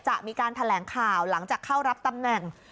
จะมีการแถลงข่าวหลังจากเข้ารับตำแหน่ง